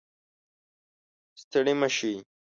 ستړې مه شئ